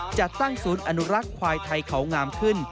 จัดตั้งศูนย์อนุรักษ์ควายไทยเขางามขึ้น